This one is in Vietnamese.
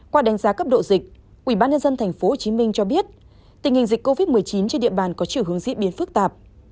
qua đánh giá cấp độ dịch ubnd tp hcm cho biết tình hình dịch covid một mươi chín trên địa bàn có chiều hướng diễn biến phức tạp